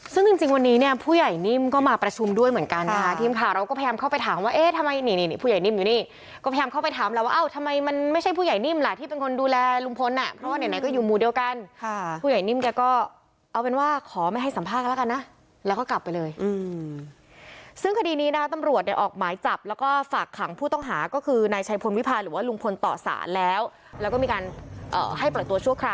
ซึ่งจริงจริงวันนี้เนี่ยผู้ใหญ่นิ่มก็มาประชุมด้วยเหมือนกันค่ะทีมค่ะเราก็พยายามเข้าไปถามว่าเอ๊ะทำไมเนี่ยผู้ใหญ่นิ่มอยู่นี่ก็พยายามเข้าไปถามเราว่าเอ้าทำไมมันไม่ใช่ผู้ใหญ่นิ่มล่ะที่เป็นคนดูแลลุงพลน่ะเพราะเนี่ยไหนก็อยู่มูลเดียวกันค่ะผู้ใหญ่นิ่มเนี่ยก็เอาเป็นว่าขอไม่ให้สัมภาพแล้วกันนะแล้วก็